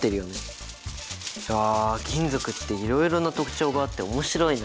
いや金属っていろいろな特徴があって面白いな。